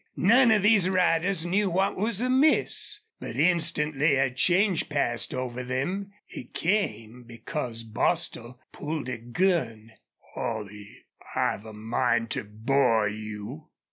None of these riders knew what was amiss. But instantly a change passed over them. It came because Bostil pulled a gun. "Holley, I've a mind to bore you!"